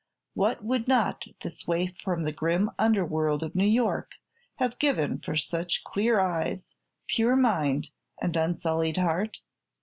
What would not this waif from the grim underworld of New York have given for such clear eyes, pure mind and unsullied heart?